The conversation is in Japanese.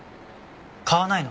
買わないの？